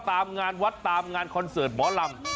ตามงานวัดตามงานคอนเสิร์ตหมอลำ